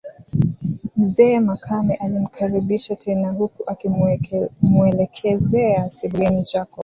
Mzee Makame alimkaribisha tena huku akimuelekezea sebuleni Jacob